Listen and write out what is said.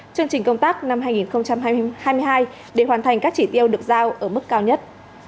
chương trình công tác năm hai nghìn hai mươi hai để hoàn thành các chỉ tiêu được giao ở mức cao nhất